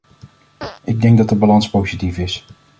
Ik denk dat de balans positief is.